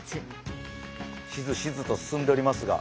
しずしずと進んでおりますが。